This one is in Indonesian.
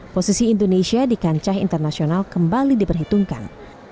posisi indonesia di kancah internasional kembali diperhitungkan